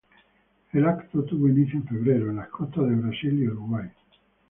El evento tuvo inicio en febrero, en las costas de Brasil y Uruguay.